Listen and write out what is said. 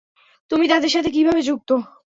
তুমি তাদের সাথে কীভাবে যুক্ত?